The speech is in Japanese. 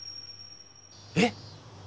えっ！